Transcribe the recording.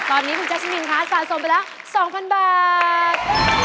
ตอนนี้คุณแจ๊ชนินคะสะสมไปแล้ว๒๐๐๐บาท